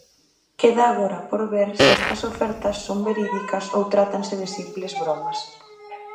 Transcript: Queda agora por ver se estas ofertas son verídicas ou trátase de simples bromas.